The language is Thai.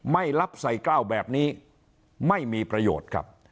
ไม่รับใส่กล้าวแบบนี้ไม่มีประโยชน์ครับ